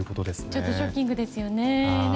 ちょっとショッキングですよね。